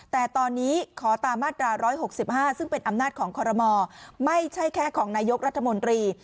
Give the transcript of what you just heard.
แต่ตอนนี้ขอตามมาตรา๑๖๕ซึ่งเป็นอำนาจของคอรมอไม่ใช่แค่ของนายกรัฐมนตรี